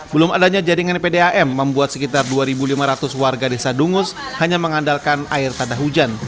belum adanya jaringan pdam membuat sekitar dua lima ratus warga desa dungus hanya mengandalkan air pada hujan